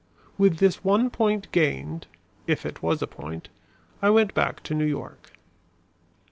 With this one point gained if it was a point I went back to New York.